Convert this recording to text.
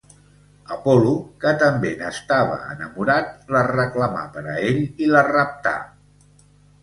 Apol·lo, que també n'estava enamorat, la reclamà per a ell i la raptà.